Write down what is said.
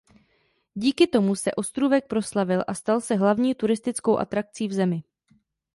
Díky tomu se ostrůvek proslavil a stal se hlavní turistickou atrakcí v zemi.